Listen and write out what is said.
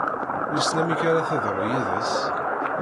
Wissen amek ara teḍru yid-s?